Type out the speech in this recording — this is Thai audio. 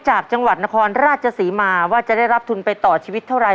จากจังหวัดนครราชศรีมาว่าจะได้รับทุนไปต่อชีวิตเท่าไร